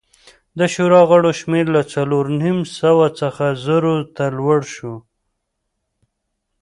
د شورا غړو شمېر له څلور نیم سوه څخه زرو ته لوړ شو